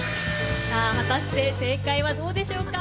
果たして、正解はどうでしょうか。